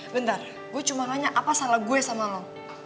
bentar gue cuma nanya apa salah gue sama lo